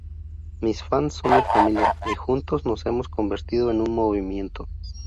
Mis fans son mi familia; y juntos nos hemos convertido en un movimiento.